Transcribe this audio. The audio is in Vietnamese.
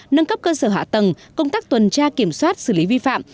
nâng cấp cơ sở hạ tầng công tác tuần tra kiểm soát xử lý vi phạm